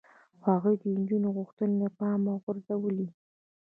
هغوی د نجونو غوښتنې له پامه غورځولې.